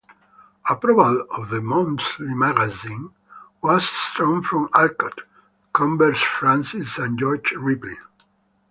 Approval of the "Monthly Magazine" was strong from Alcott, Convers Francis and George Ripley.